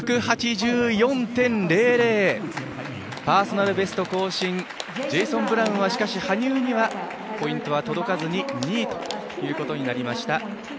パーソナルベスト更新ジェイソン・ブラウンはしかし羽生にはポイントは届かずに２位ということになりました。